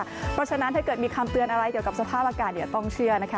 เพราะฉะนั้นถ้าเกิดมีคำเตือนอะไรเกี่ยวกับสภาพอากาศเดี๋ยวต้องเชื่อนะคะ